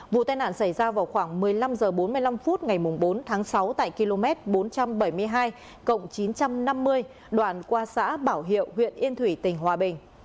vụ tai nạn xảy ra vào khoảng một mươi năm h bốn mươi năm phút ngày bốn tháng sáu tại km bốn trăm bảy mươi hai chín trăm năm mươi đoạn qua xã bảo hiệu huyện yên thủy tỉnh hòa bình